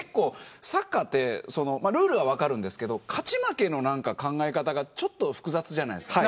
サッカーはルールは分かるんですけど勝ち負けの考え方がちょっと複雑じゃないですか。